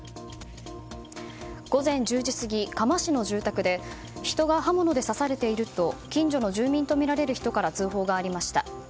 午前１０時過ぎ嘉麻市の住宅で人が刃物で刺されていると近所の住民とみられる人から通報がありました。